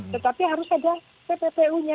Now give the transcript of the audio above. tetapi harus ada pppu nya